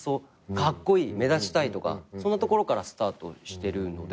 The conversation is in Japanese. カッコイイ目立ちたいとかそんなところからスタートしてるので。